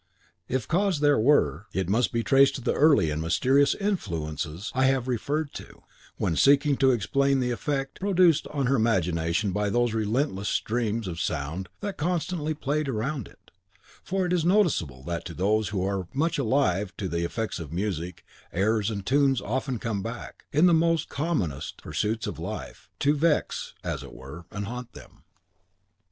If cause there were, it must be traced to the early and mysterious influences I have referred to, when seeking to explain the effect produced on her imagination by those restless streams of sound that constantly played around it; for it is noticeable that to those who are much alive to the effects of music, airs and tunes often come back, in the commonest pursuits of life, to vex, as it were, and haunt them.